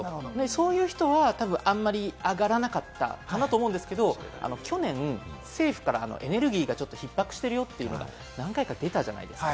そういう人はあんまり上がらなかったかなと思うんですけど、去年、政府からエネルギーがちょっとひっ迫してるよって何回か出たじゃないですか。